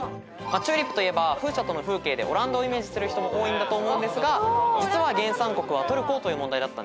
チューリップといえば風車との風景でオランダをイメージする人も多いんだと思うんですが実は原産国はトルコという問題だったんです。